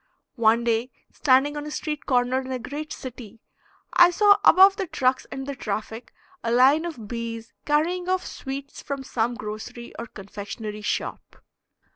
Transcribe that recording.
One day, standing on a street corner in a great city, I saw above the trucks and the traffic a line of bees carrying off sweets from some grocery or confectionery shop.